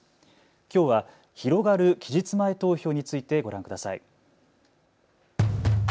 きょうは広がる期日前投票についてご覧ください。